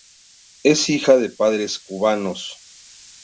Es hija de padres cubanos.